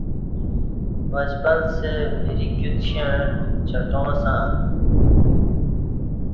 وچپلسہ وری کیوت کشنݩع چٹاں سہ